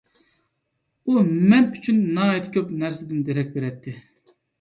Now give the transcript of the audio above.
ئۇ مەن ئۈچۈن ناھايىتى كۆپ نەرسىدىن دېرەك بېرەتتى.